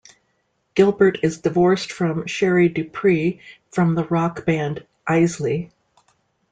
Gilbert is divorced from Sherri DuPree from the rock band Eisley.